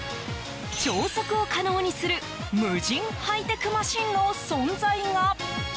超速を可能にする無人ハイテクマシンの存在が。